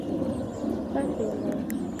甘卓人。